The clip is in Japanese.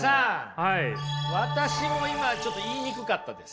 私も今ちょっと言いにくかったです。